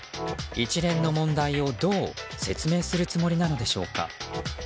一連の問題を、どう説明するつもりなのでしょうか。